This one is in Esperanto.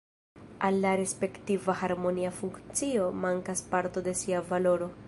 Al la respektiva harmonia funkcio mankas parto de sia valoro.